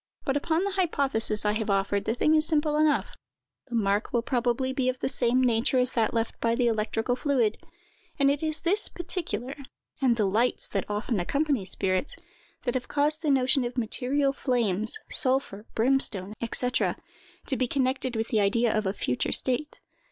But, upon the hypothesis I have offered, the thing is simple enough: the mark will probably be of the same nature as that left by the electrical fluid;—and it is this particular, and the lights that often accompany spirits, that have caused the notion of material flames, sulphur, brimstone, &c., to be connected with the idea of a future state.